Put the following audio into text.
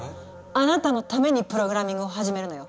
あなたのためにプログラミングを始めるのよ。